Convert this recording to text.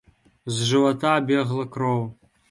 З жывата бегла кроў.